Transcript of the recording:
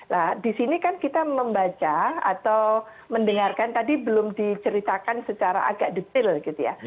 nah di sini kan kita membaca atau mendengarkan tadi belum diceritakan secara agak detail gitu ya